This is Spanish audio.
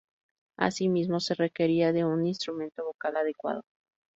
Asimismo se requería de un instrumento vocal adecuado.